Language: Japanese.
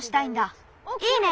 いいね！